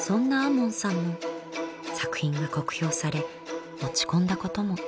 門さんも作品が酷評され落ち込んだことも。